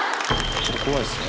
ちょっと怖いですね。